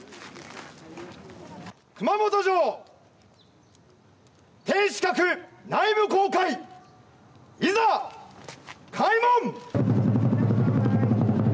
熊本城天守閣、内部公開いざ開門。